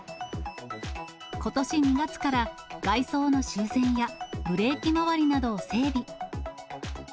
ことし２月から外装の修繕やブレーキ回りなどを整備。